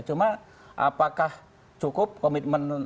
cuma apakah cukup komitmen